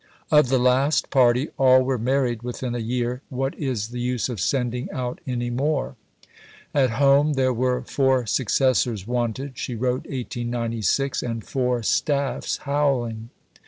"Of the last party, all were married within a year; what is the use of sending out any more?" At home there were "four successors wanted," she wrote (1896), "and four staffs howling."